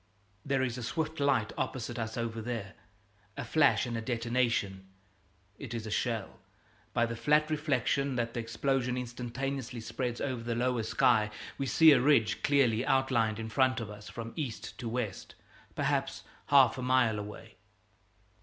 There is a swift light opposite us over there; a flash and a detonation. It is a shell! By the flat reflection that the explosion instantaneously spreads over the lower sky we see a ridge clearly outlined in front of us from east to west, perhaps half a mile away.